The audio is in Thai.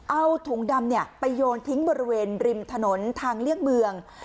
เอาถุงดำไปโยนทิ้งบริเวณริมถนนทางเลี่ยงเมือง